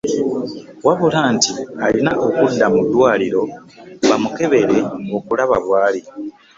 Wabula nti alina okudda mu ddwaaliro bamukebere okulaba bw'ali.